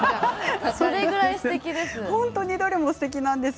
それぐらい、すてきです。